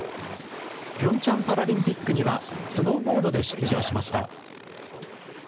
ピョンチャンパラリンピックにはスノーボードで出場しました。